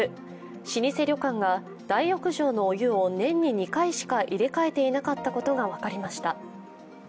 老舗旅館が大浴場のお湯を年に２回しか入れ替えていなかったことが分かりました。